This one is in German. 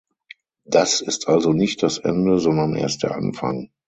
Das ist also nicht das Ende, sondern erst der Anfang.